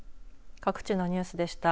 各地のニュースでした。